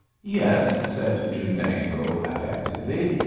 "Yes," said Chundango, affectedly.